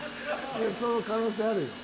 その可能性あるよ。